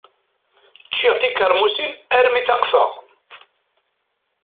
Ččiɣ tikeṛmusin armi taqfeɣ.